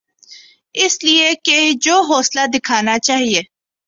اس لئے کہ جو حوصلہ دکھانا چاہیے۔